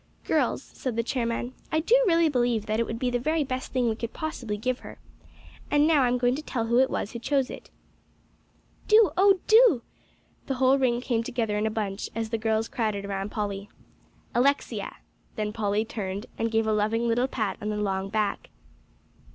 "Girls," said the chairman, "I do really believe that it would be the very best thing that we could possibly give her. And now I'm going to tell who it was who chose it." "Do oh, do!" The whole ring came together in a bunch, as the girls all crowded around Polly. "Alexia!" Then Polly turned and gave a loving little pat on the long back.